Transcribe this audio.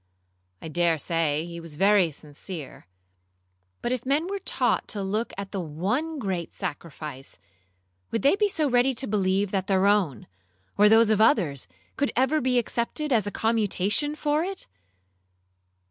I dare say he was very sincere; but if men were taught to look to the one great Sacrifice, would they be so ready to believe that their own, or those of others, could ever be accepted as a commutation for it?